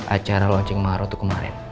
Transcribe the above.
acara launching maro itu kemarin